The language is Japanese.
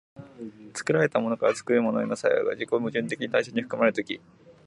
作られたものから作るものへとして作用が自己矛盾的に対象に含まれる時、